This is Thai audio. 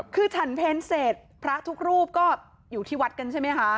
คือฉันเพลเสร็จพระทุกรูปก็อยู่ที่วัดกันใช่ไหมคะ